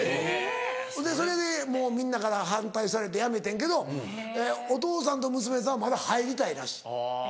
ほんでそれでもうみんなから反対されてやめてんけどお父さんと娘さんはまだ入りたいらしい。